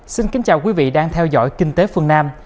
xin kính chào quý vị đang theo dõi kinh tế phương nam